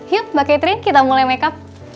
yuk mbak catherine kita mulai makeup